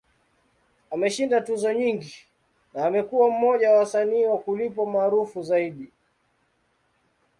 Ameshinda tuzo nyingi, na amekuwa mmoja wa wasanii wa kulipwa maarufu zaidi.